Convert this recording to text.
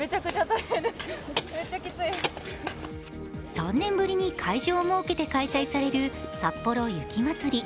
３年ぶりに会場を設けて開催されるさっぽろ雪まつり。